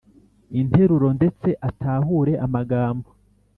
interuro ndetse atahure amagambo